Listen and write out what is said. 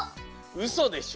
うそでしょ。